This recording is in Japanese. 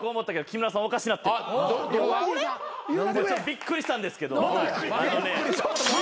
びっくりしたんですけど。